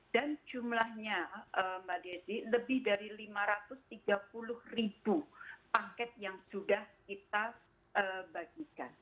dan jumlahnya lebih dari lima ratus tiga puluh ribu paket yang sudah kita bagikan